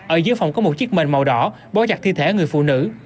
ở dưới phòng có một chiếc mình màu đỏ bó chặt thi thể người phụ nữ